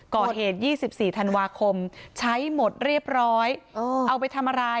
ก่อเหตุ๒๔ธันวาคมใช้หมดเรียบร้อยเอาไปทำอะไร